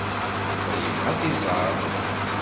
Yuba yebɣa ad t-iẓer.